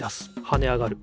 はね上がる。